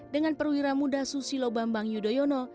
dengan perwira muda susilo bambang yudhoyono